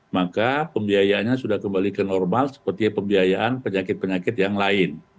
maka pembiayaannya sudah kembali ke normal seperti pembiayaan penyakit penyakit yang lain